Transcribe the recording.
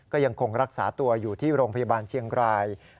ก็ยังคงรักษาตัวอยู่ที่โรงพยาบาลเชียงราย